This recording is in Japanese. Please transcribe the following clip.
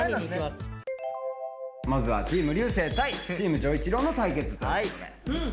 まずはチーム流星対チーム丈一郎の対決ということで。